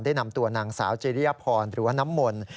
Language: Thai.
ได้นำตัวนางสาวจิริยพรหรือว่าน้ำมนต์